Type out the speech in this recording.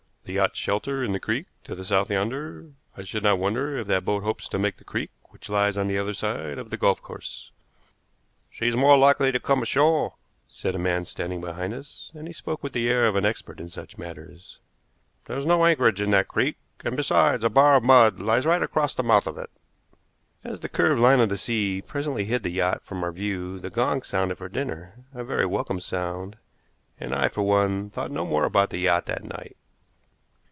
"The yachts shelter in the creek to the south yonder. I should not wonder if that boat hopes to make the creek which lies on the other side of the golf course." "She's more likely to come ashore," said a man standing behind us, and he spoke with the air of an expert in such matters. "There's no anchorage in that creek, and, besides, a bar of mud lies right across the mouth of it." As the curved line of the sea front presently hid the yacht from our view the gong sounded for dinner a very welcome sound, and I, for one, thought no more about the yacht that night.